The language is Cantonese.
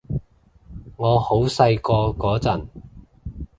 我好細個嗰陣